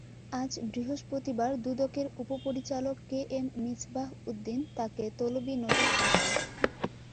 আজ বৃহস্পতিবার দুদকের উপপরিচালক কে এম মিছবাহ উদ্দিন তাকে তলবি নোটিশ পাঠান।